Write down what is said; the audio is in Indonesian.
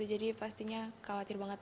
jadi pastinya khawatir banget